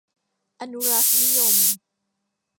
อนุรักษนิยม